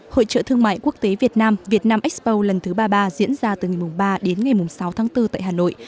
hội trợ thương mại quốc tế việt nam việt nam expo lần thứ ba mươi ba diễn ra từ ngày ba đến ngày sáu tháng bốn tại hà nội